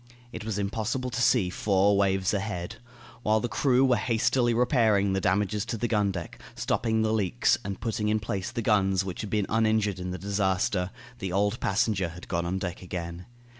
It was impossible to see four waves ahead. While the crew were hastily repairing the damages to the gun deck, stopping the leaks, and putting in place the guns which had been uninjured in the disaster, the old passenger had gone on deck again.